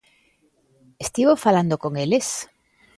¿Estivo falando con eles?